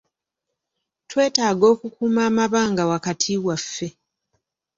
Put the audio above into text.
Twetaaga okukuuma amabanga wakati waffe.